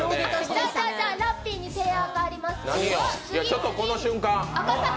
ラッピーに提案があります。